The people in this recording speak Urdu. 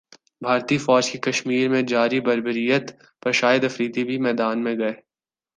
بھارتی فوج کی کشمیرمیں جاری بربریت پر شاہدافریدی بھی میدان میں گئے